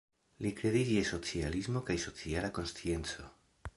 Li kredis je socialismo kaj sociala konscienco.